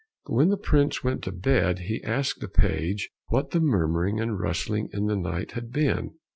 But when the prince went to bed he asked the page what the murmuring and rustling in the night had been?